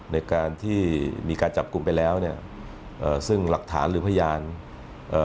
ในการที่มีการจับกลุ่มไปแล้วเนี่ยเอ่อซึ่งหลักฐานหรือพยานเอ่อ